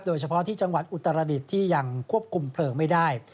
โดยเฉพาะที่จังหวัดอุตรดิษฐ์ที่ยังควบคุมเพลิงไม่ได้